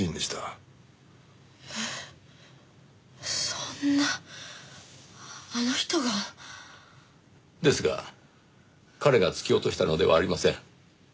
そんなあの人が？ですが彼が突き落としたのではありません。